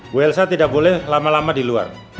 bu elsa tidak boleh lama lama di luar